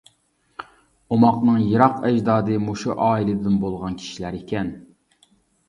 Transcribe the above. ئوماقنىڭ يىراق ئەجدادى مۇشۇ ئائىلىدىن بولغان كىشىلەر ئىكەن.